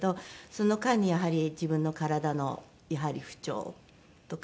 その間にやはり自分の体のやはり不調とかコロナの事もあって。